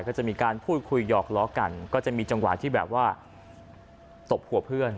ก็จะมีการพูดคุยหยอกล้อกันก็จะมีจังหวะที่แบบว่าตบหัวเพื่อน